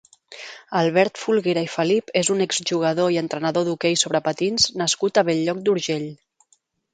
Albert Folguera i Felip és un exjugador i entrenador d'hoquei sobre patins nascut a Bell-lloc d'Urgell.